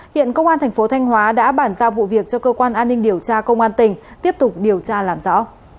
hiện công an thành phố thanh hóa đã bản giao vụ việc cho cơ quan an ninh điều tra công an tỉnh tiếp tục điều tra làm rõ